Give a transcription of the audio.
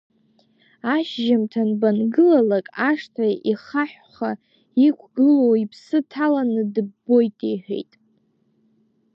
Ашьжьымҭан бангылалакь, ашҭа ихаҳәха иқәгылоу иԥсы ҭаланы дыббоит иҳәеит.